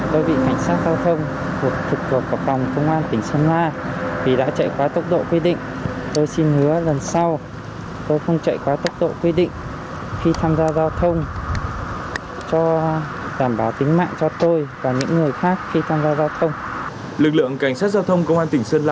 lực lượng cảnh sát giao thông công an tỉnh sơn la đã tổng lực gia quân kịp thời xử lý các hành vi vi phạm